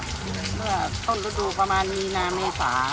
เมื่อต้นฤดูประมาณมีนาเมษา